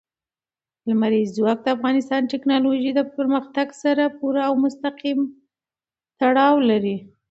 لمریز ځواک د افغانستان د تکنالوژۍ له پرمختګ سره پوره او مستقیم تړاو لري.